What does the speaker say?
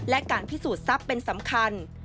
และการพิสูจน์ทรัพย์เป็นสำคัญ